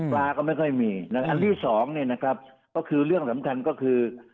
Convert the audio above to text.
ปลาก็ไม่ค่อยมีนะครับอันที่สองเนี่ยนะครับก็คือเรื่องสำคัญก็คือ